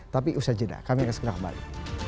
tapi usai jeda kami akan segera kembali